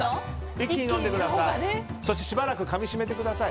一気に飲んでください。